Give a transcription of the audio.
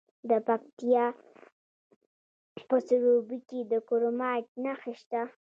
د پکتیکا په سروبي کې د کرومایټ نښې شته.